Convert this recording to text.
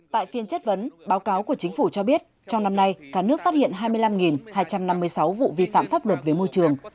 tại phiên chất vấn báo cáo của chính phủ cho biết trong năm nay cả nước phát hiện hai mươi năm hai trăm năm mươi sáu vụ vi phạm pháp luật về môi trường